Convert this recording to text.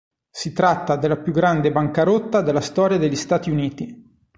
Si tratta della più grande bancarotta nella storia degli Stati Uniti.